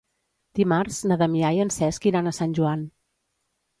Dimarts na Damià i en Cesc iran a Sant Joan.